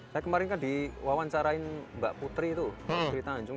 saya kemarin diwawancarain mbak putri itu di tanjung